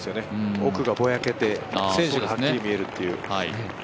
奥がぼやけて、選手がはっきり見えるという。